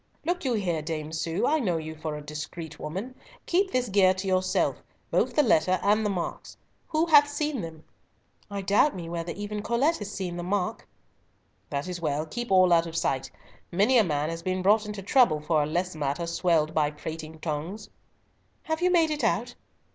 "Look you here, Dame Sue, I know you for a discreet woman. Keep this gear to yourself, both the letter and the marks. Who hath seen them?" "I doubt me whether even Colet has seen this mark." "That is well. Keep all out of sight. Many a man has been brought into trouble for a less matter swelled by prating tongues." "Have you made it out?"